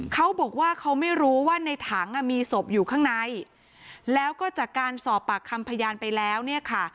เขาบอกว่าเขาไม่รู้ว่าในถังอ่ะมีศพอยู่ข้างในแล้วก็จากการสอบปากคำพยานไปแล้วเนี่ยค่ะ